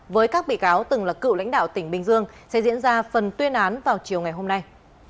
với các bị cáo từng là cựu lãnh đạo tỉnh bình dương sẽ diễn ra phần tuyên án vào chiều ngày hôm nay